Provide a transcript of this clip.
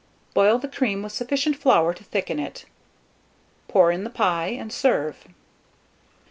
Boil the cream with sufficient flour to thicken it; pour in the pie, and serve.